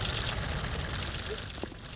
dalam video ini saya kjud gacor